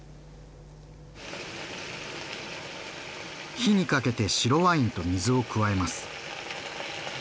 火にかけて白ワインと水を加えます。